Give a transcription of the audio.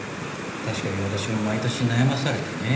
確かに私も毎年悩まされてね。